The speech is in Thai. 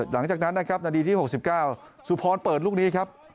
หลังจากนั้นนะครับนาทีที่๖๙สุพรเปิดลูกนี้ครับ